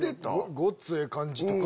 『ごっつええ感じ』？